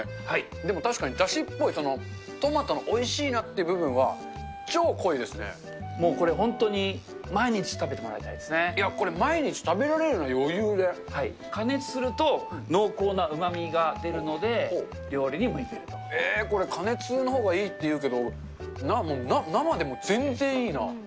でも確かにだしっぽい、トマトのおいしいなっていう部分は、もうこれ本当に毎日食べてもいや、これ、毎日食べられる加熱すると、濃厚なうまみが出るので、これ、加熱のほうがいいっていうけど、生でも全然いいな。